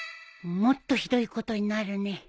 もっとひどいことになるね